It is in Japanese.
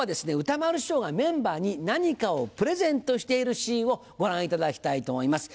歌丸師匠がメンバーに何かをプレゼントしているシーンをご覧いただきたいと思います。